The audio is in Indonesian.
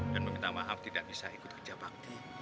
dan meminta maaf tidak bisa ikut kerja bakti